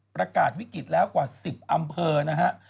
ประกาศวิกฤตแล้วกว่า๑๐อำเภอนะฮะ